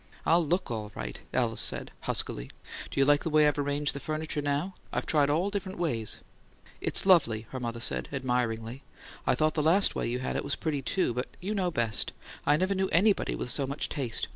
"I'll LOOK all right," Alice said, huskily. "Do you like the way I've arranged the furniture now? I've tried all the different ways it'll go." "It's lovely," her mother said, admiringly. "I thought the last way you had it was pretty, too. But you know best; I never knew anybody with so much taste.